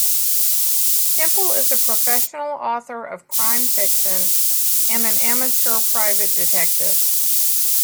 Temple is a professional author of crime fiction and an amateur private detective.